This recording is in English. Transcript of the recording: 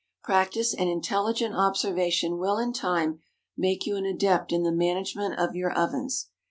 Practice and intelligent observation will, in time, make you an adept in the management of your ovens.